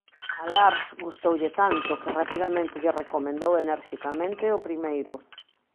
A Lars gustoulle tanto que rapidamente lle recomendou enerxicamente o primeiro.